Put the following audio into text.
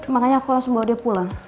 makanya aku langsung bawa dia pulang